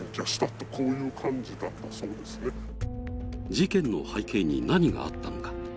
事件の背景に何があったのか。